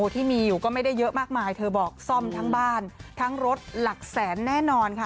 ที่มีอยู่ก็ไม่ได้เยอะมากมายเธอบอกซ่อมทั้งบ้านทั้งรถหลักแสนแน่นอนค่ะ